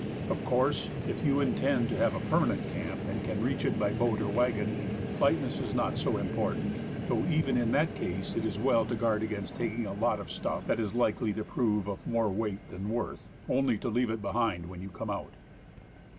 course, if you intend to have a permanent camp, and can reach it by boat or wagon, lightness is not so important, though even ih that case it is well to guard against taking in a lot of stuff that is likely to prove of more weight than worth only to leave it behind when you come out.